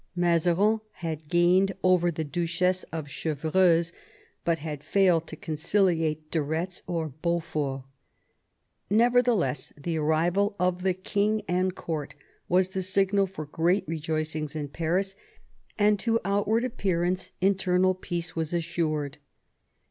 Mazarin had gained over the Duchess of Chevreuse, but had failed to conciliate de Retz or Beaufort. Neverthe less, the arrival of the king and court was the signal for great rejoicings in Paris, and to outward appearance internal peace was assured.